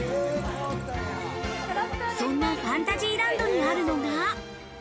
そんなファンタジーランドにあるのが。